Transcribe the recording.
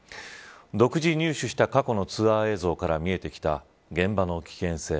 独自入手した過去のツアー映像から見えてきた現場の危険性。